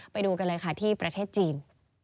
ไปดูกันเลยค่ะที่ประเทศจีน